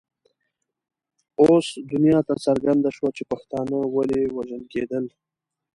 اوس دنیا ته څرګنده شوه چې پښتانه ولې وژل کېدل.